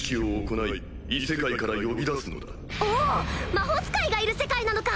魔法使いがいる世界なのか！